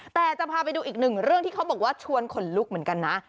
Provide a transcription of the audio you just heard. แต่จะพาไปดูอีกหนึ่งเรื่องที่เขาบอกว่าชวนขนลุกเหมือนกันนะ